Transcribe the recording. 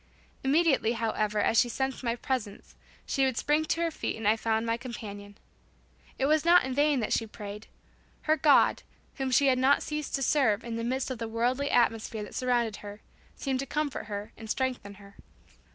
Immediately however as she sensed my presence, she would spring to her feet and I found the same natural happy creature that I delighted to call my companion. It was not in vain that she prayed! Her God, whom she had not ceased to serve in the midst of the worldly atmosphere that surrounded her, seemed to come to comfort and strengthen her.